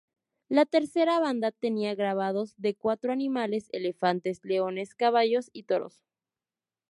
La tercera banda tenía grabados de cuatro animales; elefantes, leones, caballos y toros.